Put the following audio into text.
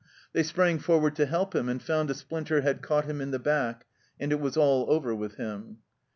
They sprang forward to help him, and found a splinter had caught him in the back, and it was all over with him.